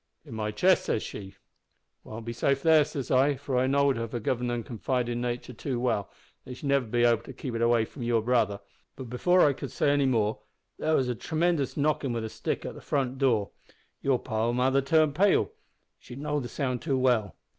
"`In my chest,' says she. "`Won't be safe there,' says I, for I knowed her forgivin' and confidin' natur' too well, an' that she'd never be able to keep it from your brother; but, before I could say more, there was a tremendous knockin' wi' a stick at the front door. Your poor mother turned pale she know'd the sound too well.